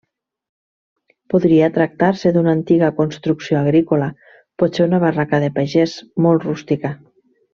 Podria tractar-se d'una antiga construcció agrícola, potser una barraca de pagès, molt rústica.